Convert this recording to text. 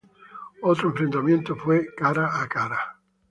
Otro enfrentamiento fue cara a cara...